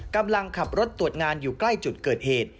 กำลังขับรถตรวจงานอยู่ใกล้จุดเกิดเหตุ